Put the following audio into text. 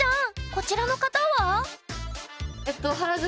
こちらの方は？